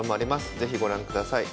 是非ご覧ください。